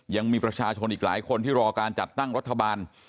ยังมีประชาชนอีกหลายคนที่รอการจัดตั้งรัฐบาล